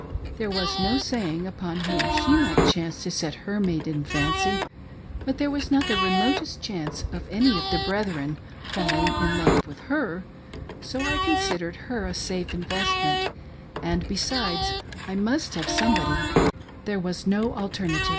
There was no saying upon whom she might chance to set her maiden fancy, but there was not the remotest chance of any of the brethren falling in love with her ; so I considered her a safe investment, and, besides, I must have somebody — there was no alternative.